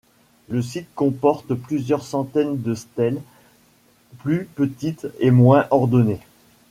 Le site comporte plusieurs centaines de stèles plus petites et moins ornées.